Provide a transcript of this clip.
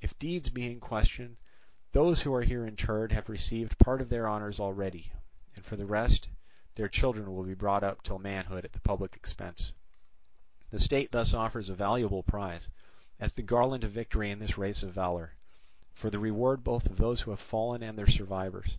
If deeds be in question, those who are here interred have received part of their honours already, and for the rest, their children will be brought up till manhood at the public expense: the state thus offers a valuable prize, as the garland of victory in this race of valour, for the reward both of those who have fallen and their survivors.